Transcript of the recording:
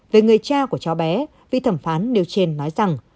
về người cha của cháu bé vị thẩm phán nêu trên nói rằng